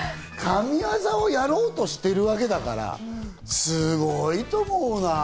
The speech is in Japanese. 神業をやろうとしてるわけだから、すごいと思うな。